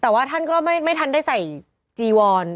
แต่ว่าท่านก็ไม่ทันได้ใส่จีวอน